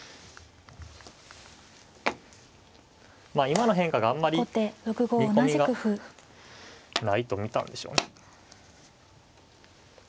まあ今の変化があんまり見込みがないと見たんでしょうね。